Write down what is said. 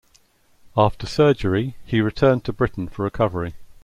After surgery, he returned to Britain for recovery.